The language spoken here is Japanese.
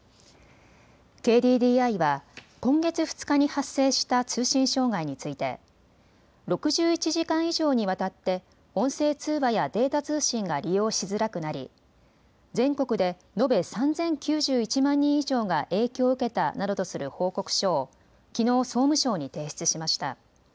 ＫＤＤＩは今月２日に発生した通信障害について６１時間以上にわたって音声通話やデータ通信が利用しづらくなり全国で延べ３０９１万人以上が影響を受けたなどとする報告書をきのう総務省に提出しました。